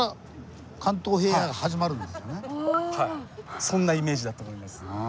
そんなイメージだと思います。